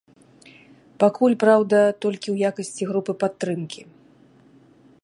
Пакуль, праўда, толькі ў якасці групы падтрымкі.